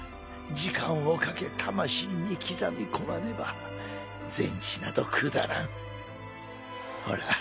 時間をかけ魂に刻み込まねば全知などくだらんほら